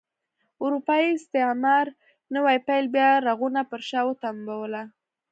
اروپايي استعمار نوي پیل بیا رغونه پر شا وتمبوله.